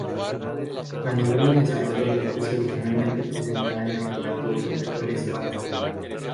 La novela desarrolla la especie originalmente presentada en el relato "Protectores Pak".